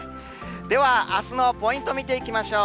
では、あすのポイント見ていきましょう。